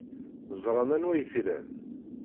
Ẓran anwa ay t-ilan.